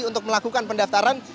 untuk melakukan pendaftaran